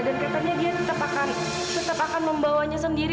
dan katanya dia tetap akan membawanya sendiri